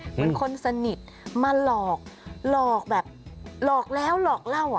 เหมือนคนสนิทมาหลอกหลอกแบบหลอกแล้วหลอกเล่าอ่ะ